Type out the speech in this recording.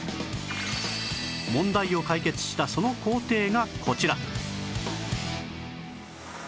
問題を解決したその工程がこちら